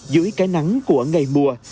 dưới cái nắng của ngày mùa